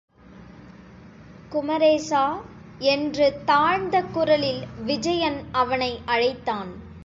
குமரேசா! என்று தாழ்ந்த குரலில் விஜயன் அவனை அழைத்தான்.